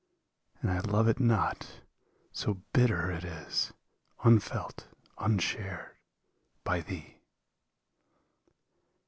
And I love it not, so bitter it is, unfelt, unshared, by thee.